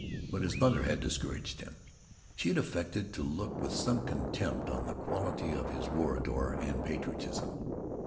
But his mother had discouraged him. She had affected to look with some contempt upon the quality of his war ardor and patriotism.